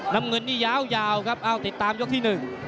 น้ำเงินนี่ยาวครับเอาติดตามยกที่หนึ่ง